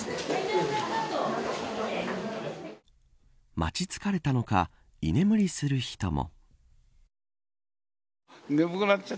待ち疲れたのか居眠りする人も。